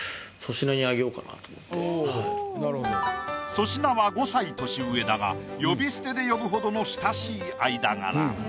粗品は５歳年上だが呼び捨てで呼ぶほどの親しい間柄。